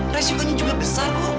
resikonya juga besar bu